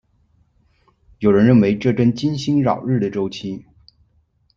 有人认为这跟金星绕日的周期。